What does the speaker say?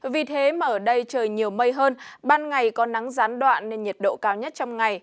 vì thế mà ở đây trời nhiều mây hơn ban ngày có nắng gián đoạn nên nhiệt độ cao nhất trong ngày